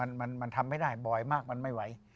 มันทำไม่ได้บ่อยมากมันไม่ไหว